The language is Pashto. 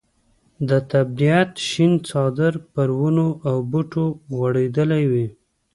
د طبیعت شین څادر پر ونو او بوټو غوړېدلی وي.